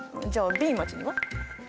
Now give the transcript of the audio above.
じゃあＢ町には？